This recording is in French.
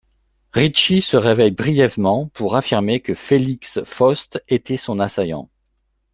Ritchie se réveille brièvement pour affirmer que Felix Faust était son assaillant.